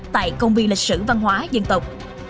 tại công viên lịch sử văn hóa dân tộc